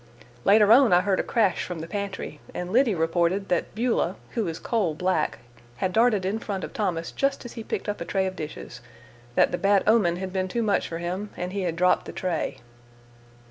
Later on I heard a crash from the pantry, and Liddy reported that Beulah, who is coal black, had darted in front of Thomas just as he picked up a tray of dishes; that the bad omen had been too much for him, and he had dropped the tray.